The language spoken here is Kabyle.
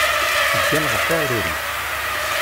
Teggan ɣef uɛrur-is.